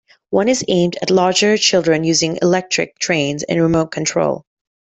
One is aimed at larger children using electric trains and remote control.